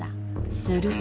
すると。